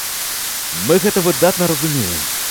Мы гэта выдатна разумеем.